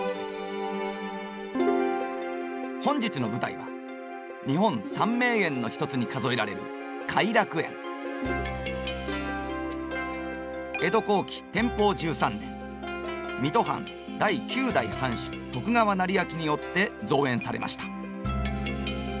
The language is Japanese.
本日の舞台は日本三名園の一つに数えられる江戸後期天保１３年水戸藩第九代藩主徳川斉昭によって造園されました。